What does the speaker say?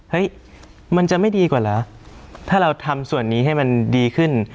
เฮ้ยมันจะไม่ดีกว่าเหรอถ้าเราทำส่วนนี้ให้มันดีขึ้น